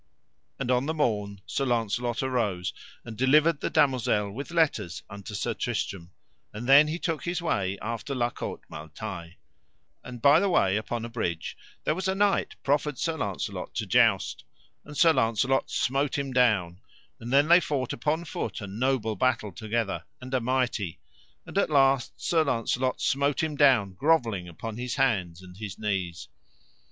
And on the morn Sir Launcelot arose, and delivered the damosel with letters unto Sir Tristram, and then he took his way after La Cote Male Taile; and by the way upon a bridge there was a knight proffered Sir Launcelot to joust, and Sir Launcelot smote him down, and then they fought upon foot a noble battle together, and a mighty; and at the last Sir Launcelot smote him down grovelling upon his hands and his knees.